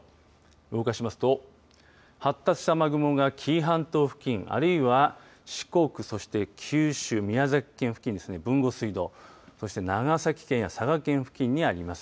動かしますと発達した雨雲が紀伊半島付近あるいは四国、そして九州、宮崎県付近に豊後水道そして長崎県佐賀県付近にあります。